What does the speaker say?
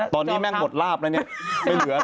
ตอนนี้แม่งหมดลาบแล้วเนี่ย